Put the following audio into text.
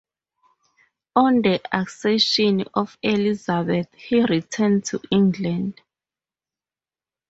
On the accession of Elizabeth he returned to England.